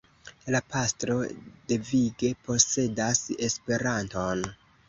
La pastro devige posedas Esperanton.